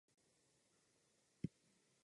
Sedmkrát odešel jako poražený singlový finalista.